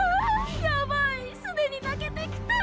ヤバイすでに泣けてきた！